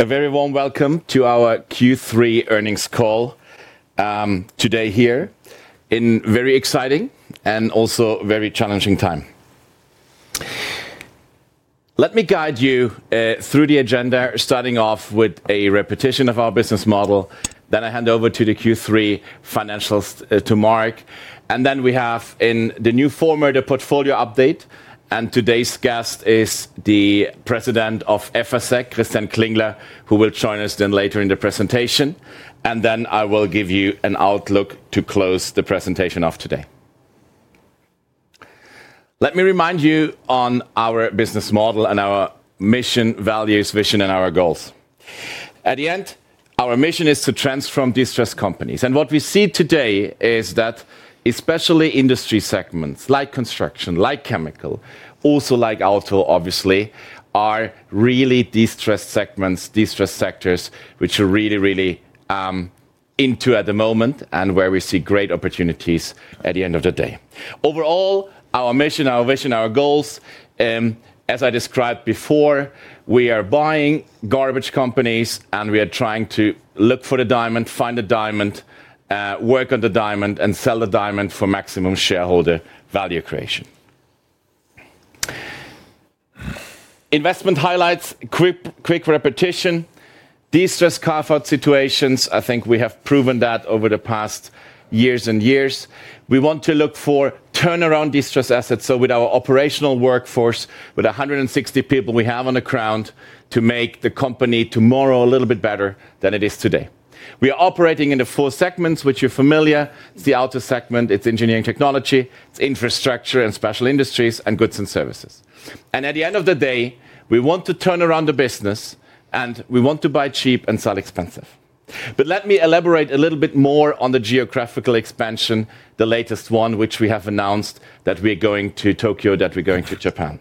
A very warm welcome to our Q3 earnings call today here in a very exciting and also very challenging time. Let me guide you through the agenda, starting off with a repetition of our business model, then I hand over to the Q3 financials to Mark. Then we have in the new former the portfolio update. Today's guest is the President of SFC, Christian Klingler, who will join us then later in the presentation. I will give you an outlook to close the presentation of today. Let me remind you on our business model and our mission, values, vision, and our goals. At the end, our mission is to transform distressed companies. What we see today is that especially industry segments like construction, like chemical, also like auto, obviously, are really distressed segments, distressed sectors, which we are really, really into at the moment and where we see great opportunities at the end of the day. Overall, our mission, our vision, our goals, as I described before, we are buying garbage companies and we are trying to look for the diamond, find the diamond, work on the diamond, and sell the diamond for maximum shareholder value creation. Investment highlights, quick repetition, distressed carve-out situations. I think we have proven that over the past years and years. We want to look for turnaround distressed assets. With our operational workforce, with 160 people we have on the ground, to make the company tomorrow a little bit better than it is today. We are operating in the four segments, which you are familiar. It's the auto segment, it's engineering technology, it's infrastructure and special industries, and goods and services. At the end of the day, we want to turn around the business and we want to buy cheap and sell expensive. Let me elaborate a little bit more on the geographical expansion, the latest one, which we have announced that we are going to Tokyo, that we're going to Japan.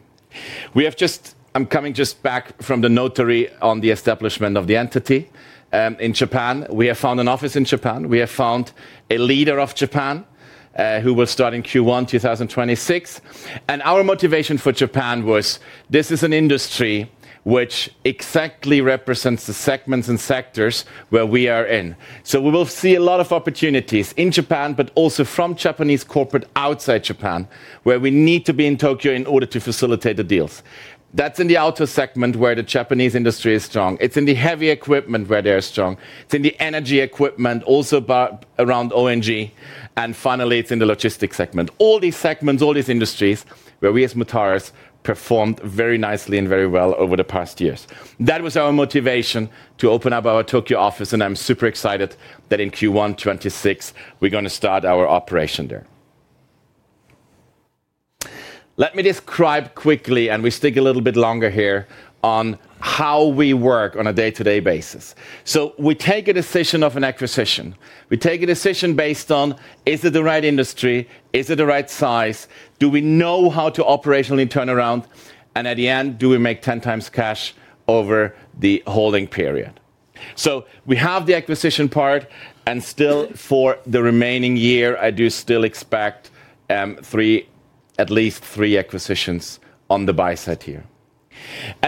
I am coming just back from the notary on the establishment of the entity in Japan. We have found an office in Japan. We have found a leader of Japan who will start in Q1 2026. Our motivation for Japan was this is an industry which exactly represents the segments and sectors where we are in. We will see a lot of opportunities in Japan, but also from Japanese corporate outside Japan, where we need to be in Tokyo in order to facilitate the deals. That's in the auto segment where the Japanese industry is strong. It's in the heavy equipment where they're strong. It's in the energy equipment, also around ONG. Finally, it's in the logistics segment. All these segments, all these industries where we as Mutares performed very nicely and very well over the past years. That was our motivation to open up our Tokyo office. I'm super excited that in Q1 2026, we're going to start our operation there. Let me describe quickly, and we stick a little bit longer here on how we work on a day-to-day basis. We take a decision of an acquisition. We take a decision based on, is it the right industry? Is it the right size? Do we know how to operationally turn around? At the end, do we make 10 times cash over the holding period? We have the acquisition part and still for the remaining year, I do still expect three, at least three acquisitions on the buy side here.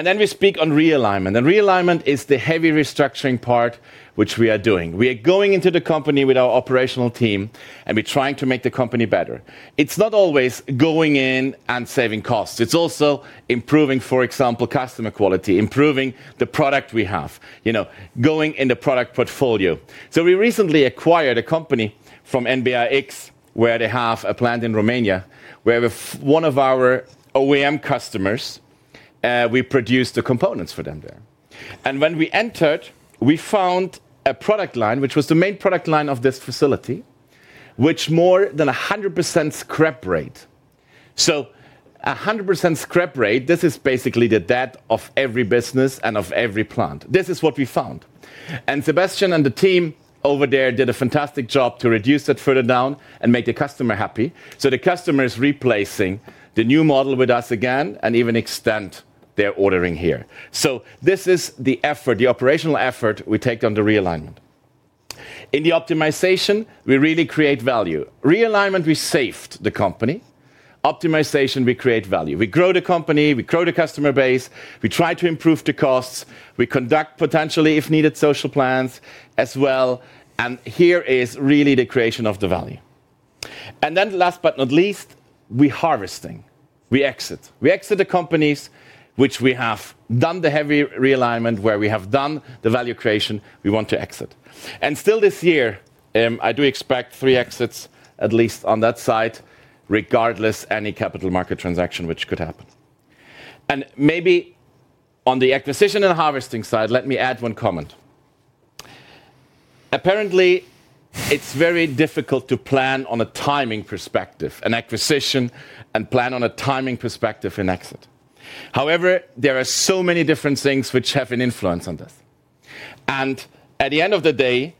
We speak on realignment. Realignment is the heavy restructuring part, which we are doing. We are going into the company with our operational team and we are trying to make the company better. It is not always going in and saving costs. It is also improving, for example, customer quality, improving the product we have, going in the product portfolio. We recently acquired a company from Nibe, where they have a plant in Romania, where one of our OEM customers, we produced the components for them there. When we entered, we found a product line, which was the main product line of this facility, which had more than 100% scrap rate. 100% scrap rate, this is basically the death of every business and of every plant. This is what we found. Sebastian and the team over there did a fantastic job to reduce that further down and make the customer happy. The customer is replacing the new model with us again and even extending their ordering here. This is the effort, the operational effort we take on the realignment. In the optimization, we really create value. Realignment, we saved the company. Optimization, we create value. We grow the company, we grow the customer base, we try to improve the costs, we conduct potentially, if needed, social plans as well. Here is really the creation of the value. Last but not least, we harvesting, we exit. We exit the companies which we have done the heavy realignment where we have done the value creation, we want to exit. Still this year, I do expect three exits at least on that side, regardless of any capital market transaction which could happen. Maybe on the acquisition and harvesting side, let me add one comment. Apparently, it's very difficult to plan on a timing perspective, an acquisition and plan on a timing perspective in exit. However, there are so many different things which have an influence on this. At the end of the day,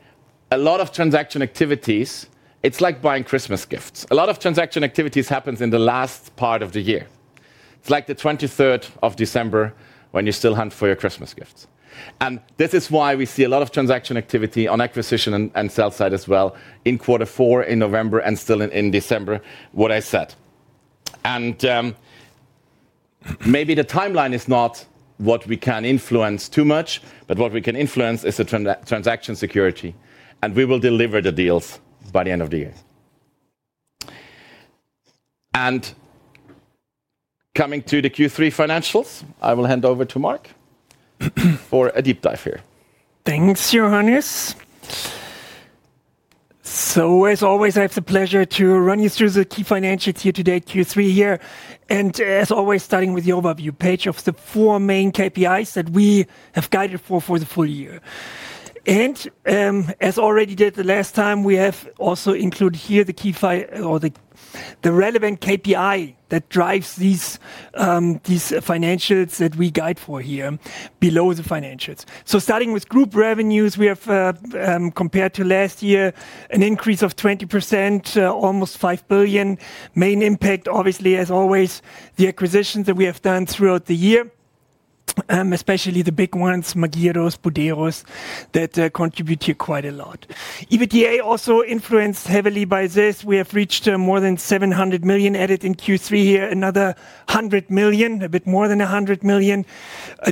a lot of transaction activities, it's like buying Christmas gifts. A lot of transaction activities happens in the last part of the year. It's like the 23rd of December when you still hunt for your Christmas gifts. This is why we see a lot of transaction activity on acquisition and sell side as well in quarter four in November and still in December, what I said. Maybe the timeline is not what we can influence too much, but what we can influence is the transaction security. We will deliver the deals by the end of the year. Coming to the Q3 financials, I will hand over to Mark for a deep dive here. Thanks, Johannes. As always, I have the pleasure to run you through the key financials here today, Q3 here. As always, starting with the overview page of the four main KPIs that we have guided for the full year. As already did the last time, we have also included here the key or the relevant KPI that drives these financials that we guide for here below the financials. Starting with group revenues, we have compared to last year an increase of 20%, almost 5 billion. Main impact, obviously, as always, the acquisitions that we have done throughout the year, especially the big ones, Magirus, Buderus, that contribute here quite a lot. EBITDA also influenced heavily by this. We have reached more than 700 million added in Q3 here, another 100 million, a bit more than 100 million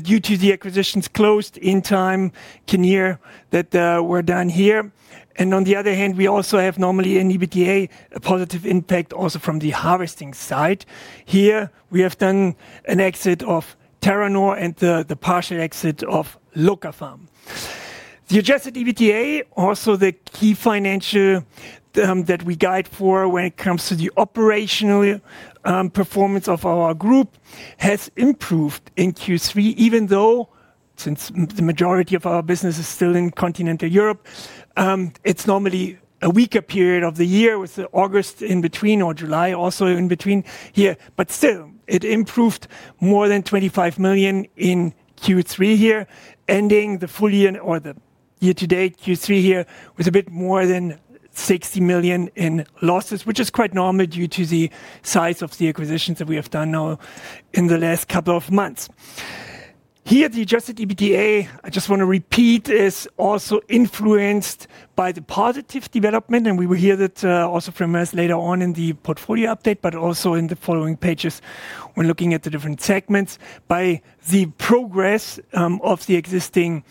due to the acquisitions closed in time, Kinnear, that were done here. On the other hand, we also have normally in EBITDA a positive impact also from the harvesting side. Here we have done an exit of Terranor and the partial exit of Locafarm. The adjusted EBITDA, also the key financial that we guide for when it comes to the operational performance of our group, has improved in Q3, even though since the majority of our business is still in continental Europe, it is normally a weaker period of the year with August in between or July also in between here. Still, it improved more than 25 million in Q3 here, ending the full year or the year-to-date Q3 here with a bit more than 60 million in losses, which is quite normal due to the size of the acquisitions that we have done now in the last couple of months. Here, the adjusted EBITDA, I just want to repeat, is also influenced by the positive development. We will hear that also from us later on in the portfolio update, but also in the following pages when looking at the different segments by the progress of the existing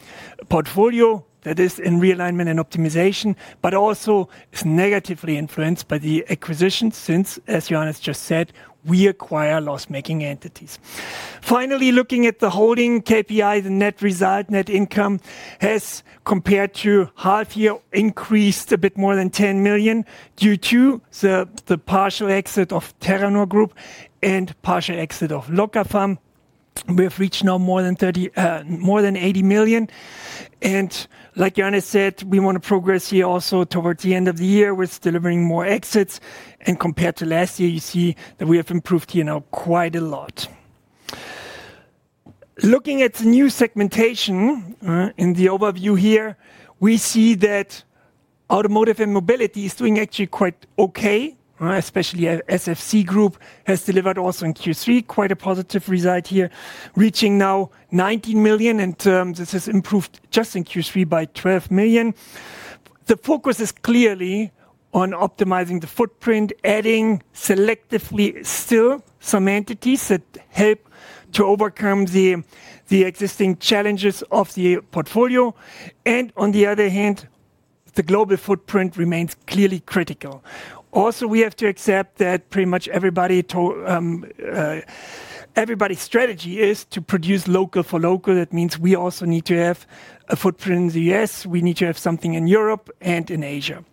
portfolio that is in realignment and optimization, but also is negatively influenced by the acquisitions since, as Johannes just said, we acquire loss-making entities. Finally, looking at the holding KPI, the net result, net income has compared to half year increased a bit more than 10 million due to the partial exit of Terranor Group and partial exit of Locafarm. We have reached now more than 80 million. Like Johannes said, we want to progress here also towards the end of the year with delivering more exits. Compared to last year, you see that we have improved here now quite a lot. Looking at the new segmentation in the overview here, we see that automotive and mobility is doing actually quite okay, especially SFC Group has delivered also in Q3 quite a positive result here, reaching now 19 million. This has improved just in Q3 by 12 million. The focus is clearly on optimizing the footprint, adding selectively still some entities that help to overcome the existing challenges of the portfolio. On the other hand, the global footprint remains clearly critical. Also, we have to accept that pretty much everybody's strategy is to produce local for local. That means we also need to have a footprint in the U.S. We need to have something in Europe and in Asia.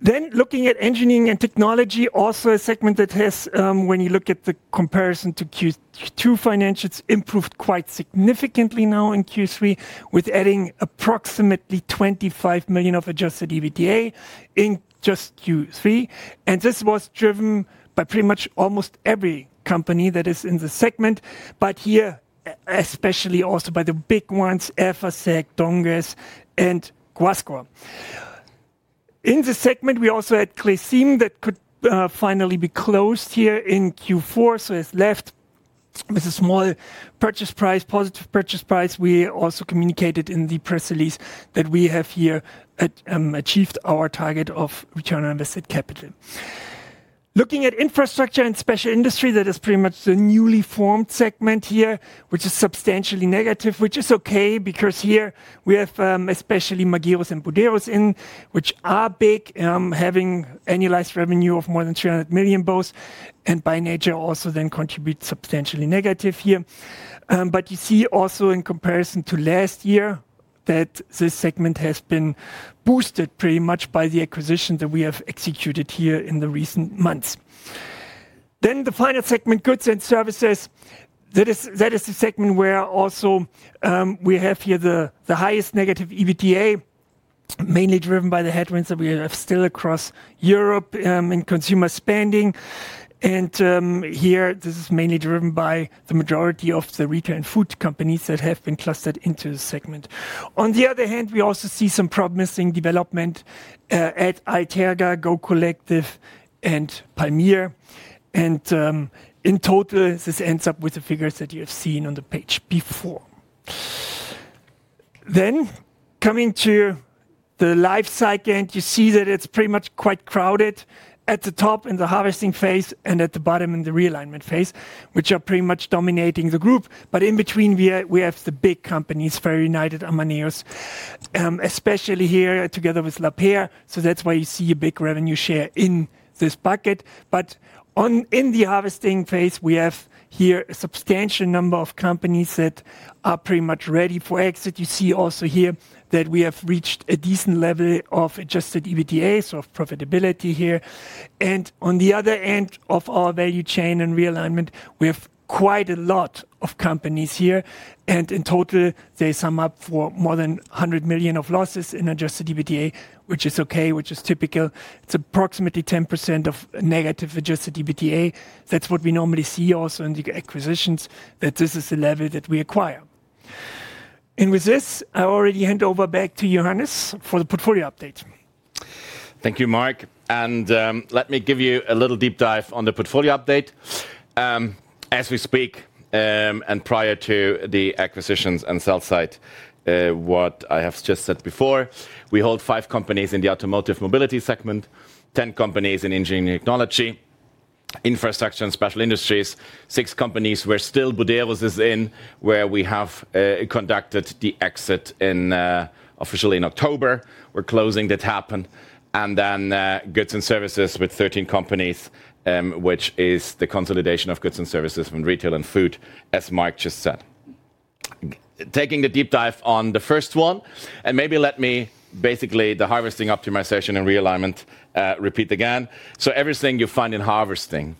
Looking at engineering and technology, also a segment that has, when you look at the comparison to Q2 financials, improved quite significantly now in Q3 with adding approximately 25 million of adjusted EBITDA in just Q3. This was driven by pretty much almost every company that is in the segment, but here especially also by the big ones, SFC, Dongas, and Guasco. In the segment, we also had Cleysim that could finally be closed here in Q4, so has left with a small purchase price, positive purchase price. We also communicated in the press release that we have here achieved our target of return on invested capital. Looking at infrastructure and special industry, that is pretty much the newly formed segment here, which is substantially negative, which is okay because here we have especially Magirus and Buderus in, which are big, having annualized revenue of more than 300 million both, and by nature also then contribute substantially negative here. You see also in comparison to last year that this segment has been boosted pretty much by the acquisition that we have executed here in the recent months. The final segment, goods and services, that is the segment where also we have here the highest negative EBITDA, mainly driven by the headwinds that we have still across Europe in consumer spending. This is mainly driven by the majority of the retail and food companies that have been clustered into the segment. On the other hand, we also see some promising development at Alterga, Go Collective, and Palmyer. In total, this ends up with the figures that you have seen on the page before. Coming to the life cycle end, you see that it is pretty much quite crowded at the top in the harvesting phase and at the bottom in the realignment phase, which are pretty much dominating the group. In between, we have the big companies, Ferry United, Amadeus, especially here together with Lapeyre. That is why you see a big revenue share in this bucket. In the harvesting phase, we have here a substantial number of companies that are pretty much ready for exit. You see also here that we have reached a decent level of adjusted EBITDA, so of profitability here. On the other end of our value chain and realignment, we have quite a lot of companies here. In total, they sum up for more than 100 million of losses in adjusted EBITDA, which is okay, which is typical. It is approximately 10% of negative adjusted EBITDA. That is what we normally see also in the acquisitions, that this is the level that we acquire. With this, I already hand over back to Johannes for the portfolio update. Thank you, Mark. Let me give you a little deep dive on the portfolio update. As we speak and prior to the acquisitions and sell side, what I have just said before, we hold five companies in the automotive mobility segment, 10 companies in engineering and technology, infrastructure and special industries, six companies where still Buderus is in, where we have conducted the exit officially in October. We are closing that happen. Goods and services with 13 companies, which is the consolidation of goods and services in retail and food, as Mark just said. Taking the deep dive on the first one, and maybe let me basically the harvesting, optimization, and realignment repeat again. Everything you find in harvesting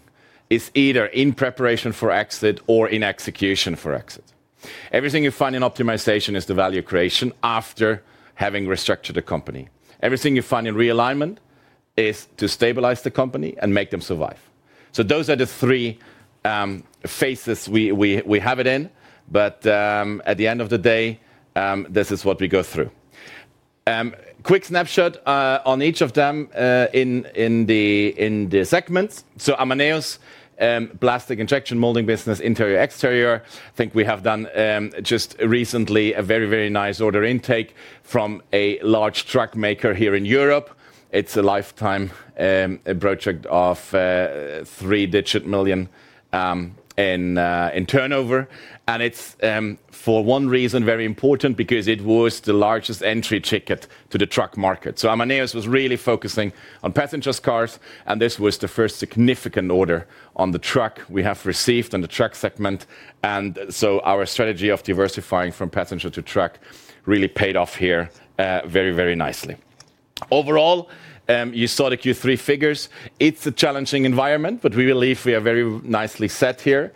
is either in preparation for exit or in execution for exit. Everything you find in optimization is the value creation after having restructured the company. Everything you find in realignment is to stabilize the company and make them survive. Those are the three phases we have it in. At the end of the day, this is what we go through. Quick snapshot on each of them in the segments. Amadeus, plastic injection molding business, interior, exterior. I think we have done just recently a very, very nice order intake from a large truck maker here in Europe. It is a lifetime project of three-digit million in turnover. It is for one reason very important because it was the largest entry ticket to the truck market. Amadeus was really focusing on passenger cars, and this was the first significant order on the truck we have received on the truck segment. Our strategy of diversifying from passenger to truck really paid off here very, very nicely. Overall, you saw the Q3 figures. It's a challenging environment, but we believe we are very nicely set here.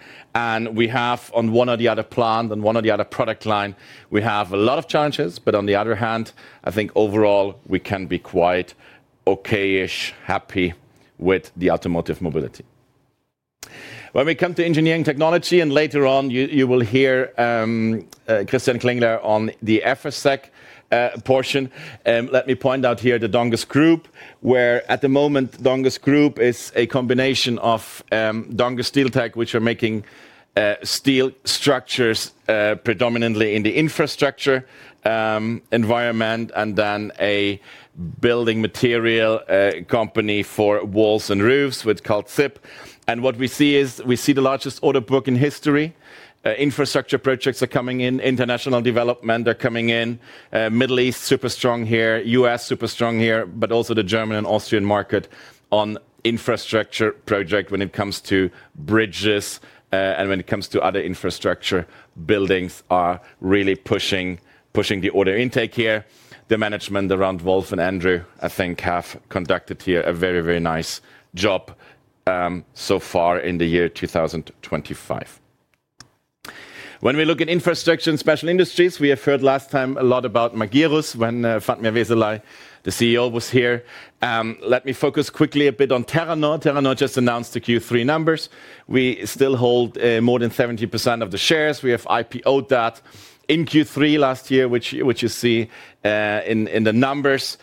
We have on one or the other plan and one or the other product line, we have a lot of challenges. On the other hand, I think overall we can be quite okay-ish, happy with the automotive mobility. When we come to engineering technology, and later on you will hear Christian Klingler on the SFC portion, let me point out here the Dongas Group, where at the moment Dongas Group is a combination of Dongas Steel Tech, which are making steel structures predominantly in the infrastructure environment, and then a building material company for walls and roofs with Caltzip. What we see is we see the largest order book in history. Infrastructure projects are coming in, international development are coming in, Middle East super strong here, U.S. super strong here, but also the German and Austrian market on infrastructure project when it comes to bridges and when it comes to other infrastructure buildings are really pushing the order intake here. The management around Wolf and Andrew, I think, have conducted here a very, very nice job so far in the year 2025. When we look at infrastructure and special industries, we have heard last time a lot about Magirus when Fatma Vesely, the CEO, was here. Let me focus quickly a bit on Terranor. Terranor just announced the Q3 numbers. We still hold more than 70% of the shares. We have IPOed that in Q3 last year, which you see in the numbers.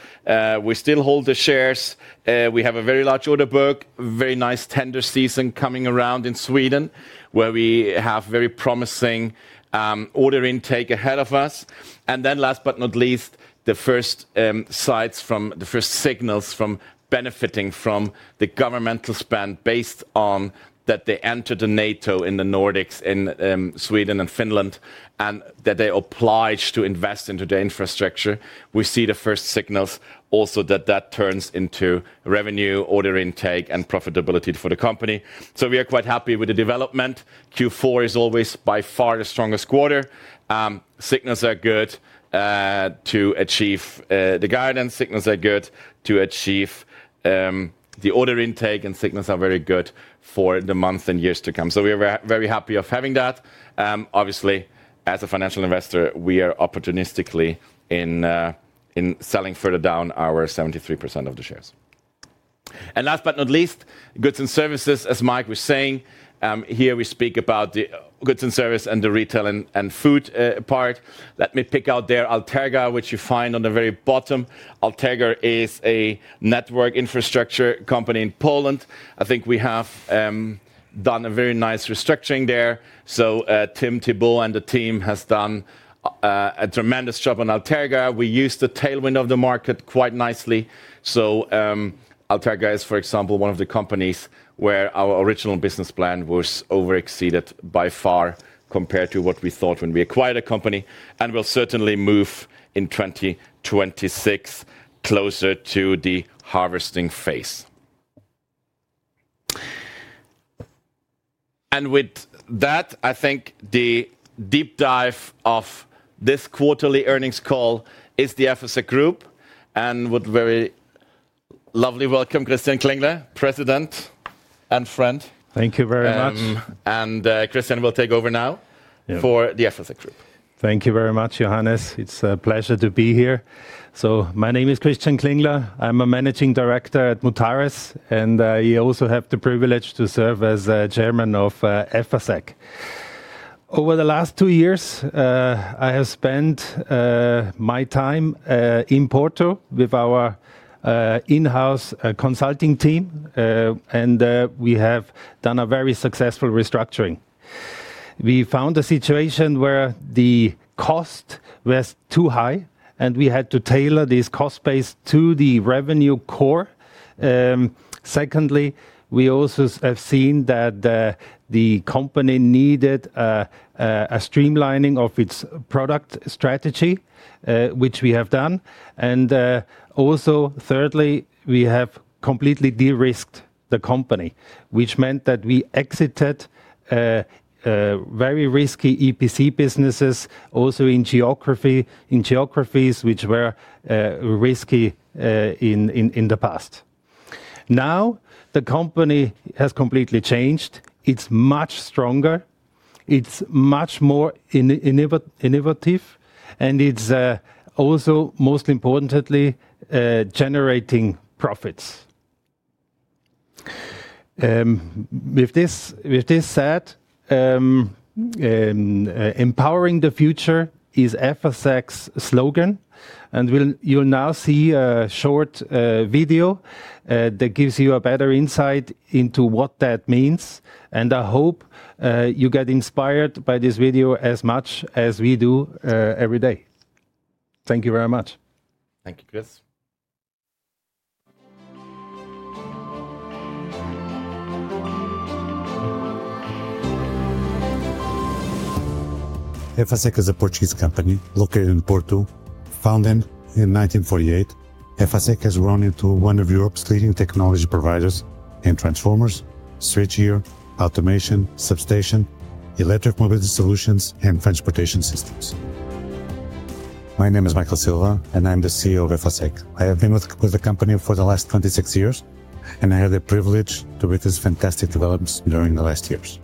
We still hold the shares. We have a very large order book, very nice tender season coming around in Sweden, where we have very promising order intake ahead of us. Last but not least, the first signals from benefiting from the governmental spend based on that they entered NATO in the Nordics, in Sweden and Finland, and that they applied to invest into their infrastructure. We see the first signals also that that turns into revenue, order intake, and profitability for the company. We are quite happy with the development. Q4 is always by far the strongest quarter. Signals are good to achieve the guidance. Signals are good to achieve the order intake, and signals are very good for the months and years to come. We are very happy of having that. Obviously, as a financial investor, we are opportunistically in selling further down our 73% of the shares. Last but not least, goods and services, as Mike was saying, here we speak about the goods and service and the retail and food part. Let me pick out there Alterga, which you find on the very bottom. Alterga is a network infrastructure company in Poland. I think we have done a very nice restructuring there. Tim Thibault and the team has done a tremendous job on Alterga. We used the tailwind of the market quite nicely. Alterga is, for example, one of the companies where our original business plan was overexceeded by far compared to what we thought when we acquired a company and will certainly move in 2026 closer to the harvesting phase. With that, I think the deep dive of this quarterly earnings call is the SFC Group, and with a very lovely welcome, Christian Klingler, president and friend. Thank you very much. Christian will take over now for the SFC Group. Thank you very much, Johannes. It's a pleasure to be here. My name is Christian Klingler. I'm a Managing Director at Mutares, and I also have the privilege to serve as Chairman of SFC. Over the last two years, I have spent my time in Porto with our in-house consulting team, and we have done a very successful restructuring. We found a situation where the cost was too high, and we had to tailor this cost base to the revenue core. Secondly, we also have seen that the company needed a streamlining of its product strategy, which we have done. Thirdly, we have completely de-risked the company, which meant that we exited very risky EPC businesses also in geographies which were risky in the past. Now the company has completely changed. It's much stronger. It's much more innovative, and it's also most importantly generating profits. With this said, empowering the future is SFC's slogan. You will now see a short video that gives you a better insight into what that means. I hope you get inspired by this video as much as we do every day. Thank you very much. Thank you, Chris. SFC is a Portuguese company located in Porto, founded in 1948. SFC has grown into one of Europe's leading technology providers in transformers, switchgear, automation, substation, electric mobility solutions, and transportation systems. My name is Michael Silva, and I'm the CEO of SFC. I have been with the company for the last 26 years, and I had the privilege to witness fantastic developments during the last years.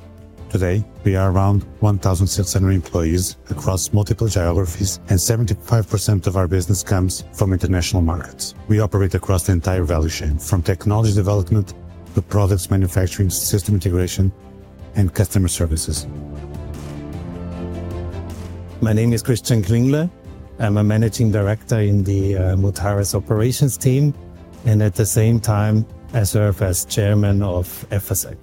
Today, we are around 1,600 employees across multiple geographies, and 75% of our business comes from international markets. We operate across the entire value chain, from technology development to product manufacturing, system integration, and customer services. My name is Christian Klingler. I'm a Managing Director in the Mutares operations team, and at the same time, I serve as Chairman of SFC.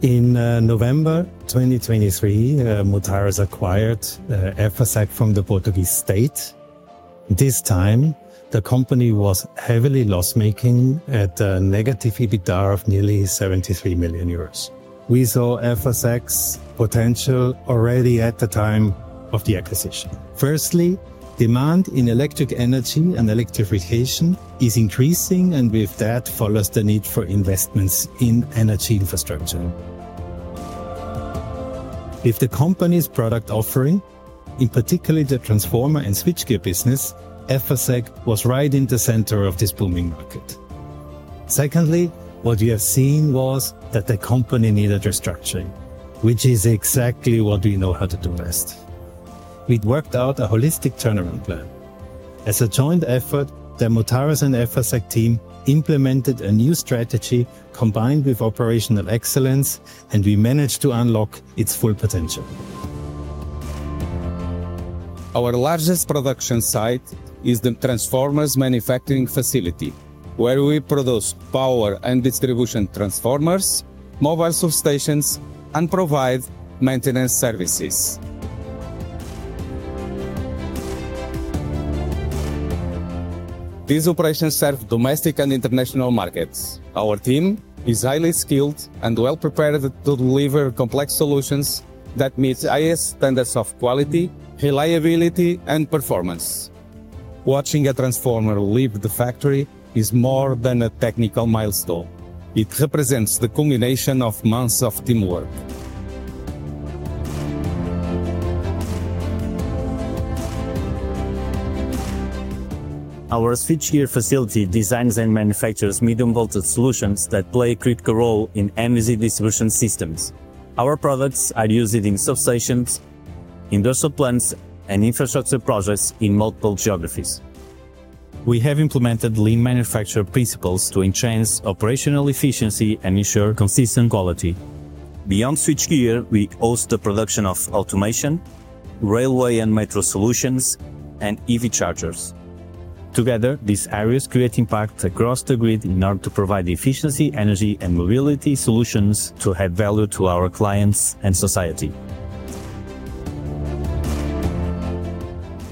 In November 2023, Mutares acquired SFC from the Portuguese state. This time, the company was heavily loss-making at a negative EBITDA of nearly 73 million euros. We saw SFC's potential already at the time of the acquisition. Firstly, demand in electric energy and electrification is increasing, and with that follows the need for investments in energy infrastructure. With the company's product offering, in particular the transformer and switchgear business, SFC was right in the center of this booming market. Secondly, what we have seen was that the company needed restructuring, which is exactly what we know how to do best. We worked out a holistic turnaround plan. As a joint effort, the Mutares and SFC team implemented a new strategy combined with operational excellence, and we managed to unlock its full potential. Our largest production site is the transformers manufacturing facility, where we produce power and distribution transformers, mobile substations, and provide maintenance services. These operations serve domestic and international markets. Our team is highly skilled and well-prepared to deliver complex solutions that meet highest standards of quality, reliability, and performance. Watching a transformer leave the factory is more than a technical milestone. It represents the culmination of months of teamwork. Our switchgear facility designs and manufactures medium-voltage solutions that play a critical role in MEC distribution systems. Our products are used in substations, industrial plants, and infrastructure projects in multiple geographies. We have implemented lean manufacturing principles to enhance operational efficiency and ensure consistent quality. Beyond switchgear, we host the production of automation, railway and metro solutions, and EV chargers. Together, these areas create impact across the grid in order to provide efficiency, energy, and mobility solutions to add value to our clients and society.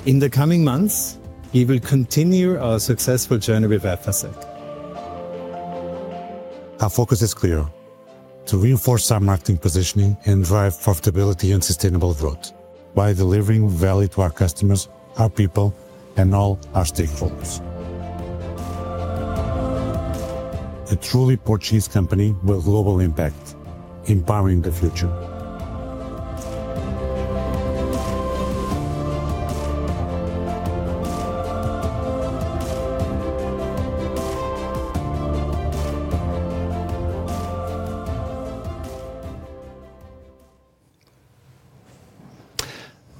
In the coming months, we will continue our successful journey with SFC. Our focus is clear: to reinforce our marketing positioning and drive profitability and sustainable growth by delivering value to our customers, our people, and all our stakeholders. A truly Portuguese company with global impact, empowering the future.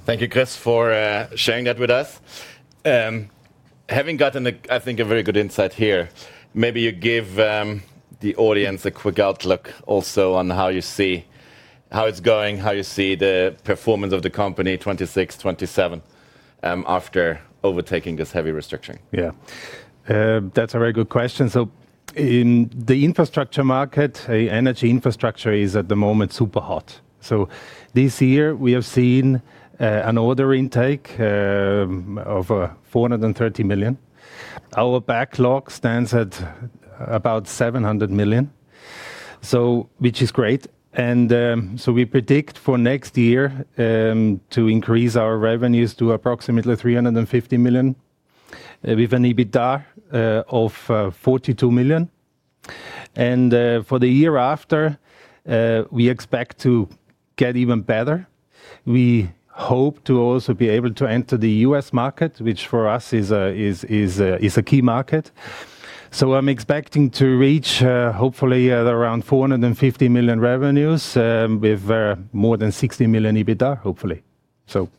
Thank you, Chris, for sharing that with us. Having gotten, I think, a very good insight here, maybe you give the audience a quick outlook also on how you see how it is going, how you see the performance of the company 2026, 2027 after overtaking this heavy restructuring. Yeah, that's a very good question. In the infrastructure market, energy infrastructure is at the moment super hot. This year, we have seen an order intake of 430 million. Our backlog stands at about 700 million, which is great. We predict for next year to increase our revenues to approximately 350 million with an EBITDA of 42 million. For the year after, we expect to get even better. We hope to also be able to enter the US market, which for us is a key market. I'm expecting to reach, hopefully, around 450 million revenues with more than 60 million EBITDA, hopefully.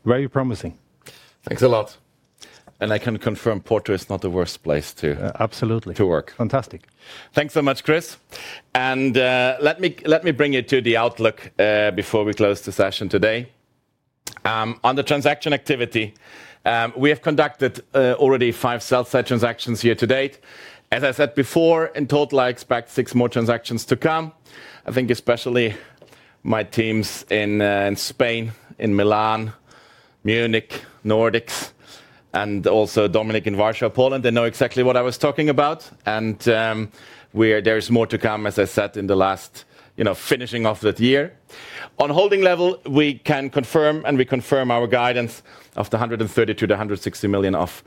Very promising. Thanks a lot. I can confirm Porto is not the worst place to work. Absolutely. Fantastic. Thanks so much, Chris. Let me bring you to the outlook before we close the session today. On the transaction activity, we have conducted already five sell-side transactions year to date. As I said before, in total, I expect six more transactions to come. I think especially my teams in Spain, in Milan, Munich, Nordics, and also Dominic in Warsaw, Poland, they know exactly what I was talking about. There is more to come, as I said, in the last finishing of that year. On holding level, we can confirm, and we confirm our guidance of the 130 million-160 million of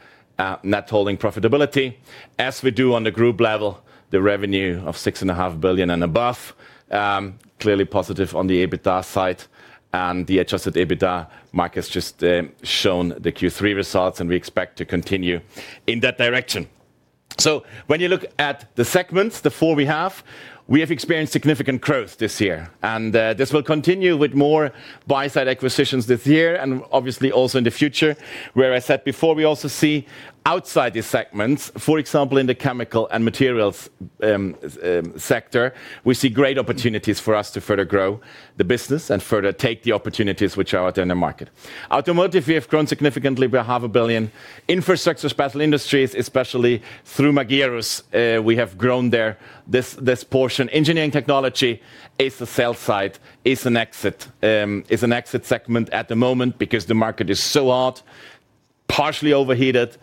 net holding profitability. As we do on the group level, the revenue of 6.5 billion and above, clearly positive on the EBITDA side. The adjusted EBITDA market has just shown the Q3 results, and we expect to continue in that direction. When you look at the segments, the four we have, we have experienced significant growth this year. This will continue with more buy-side acquisitions this year and obviously also in the future. Where I said before, we also see outside these segments, for example, in the chemical and materials sector, we see great opportunities for us to further grow the business and further take the opportunities which are out there in the market. Automotive, we have grown significantly by $500,000,000. Infrastructure, special industries, especially through Magirus, we have grown there. This portion, engineering technology, is the sell side, is an exit segment at the moment because the market is so hot, partially overheated.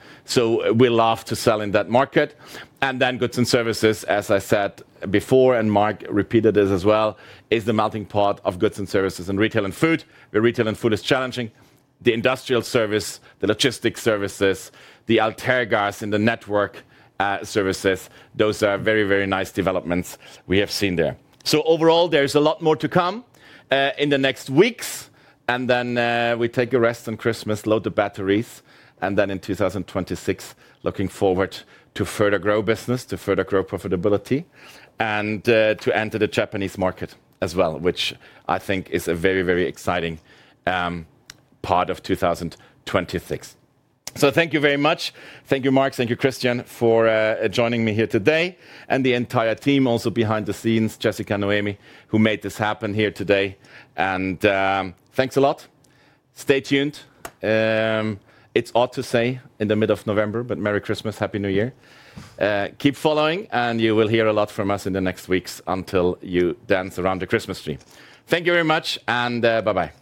We love to sell in that market. Goods and services, as I said before, and Mark repeated this as well, is the melting pot of goods and services and retail and food, where retail and food is challenging. The industrial service, the logistics services, the Alterga in the network services, those are very, very nice developments we have seen there. Overall, there is a lot more to come in the next weeks. We take a rest on Christmas, load the batteries, and then in 2026, looking forward to further grow business, to further grow profitability, and to enter the Japanese market as well, which I think is a very, very exciting part of 2026. Thank you very much. Thank you, Mark. Thank you, Christian, for joining me here today. The entire team also behind the scenes, Jessica Noemi, who made this happen here today. Thanks a lot. Stay tuned. It's odd to say in the middle of November, but Merry Christmas, Happy New Year. Keep following, and you will hear a lot from us in the next weeks until you dance around the Christmas tree. Thank you very much, and bye-bye.